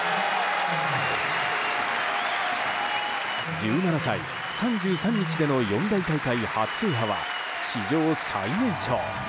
１７歳３３日での四大大会初制覇は史上最年少。